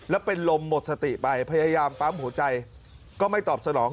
แล้วเป็นลมหมดสติไปพยายามปั๊มหัวใจก็ไม่ตอบสนอง